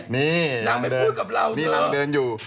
นี่นางเดินอยู่